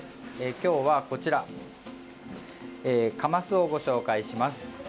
今日は、こちらカマスをご紹介します。